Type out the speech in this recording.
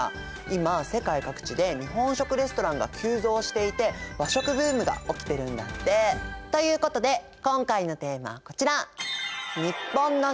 今世界各地で日本食レストランが急増していて和食ブームが起きてるんだって。ということで今回のテーマはこちら。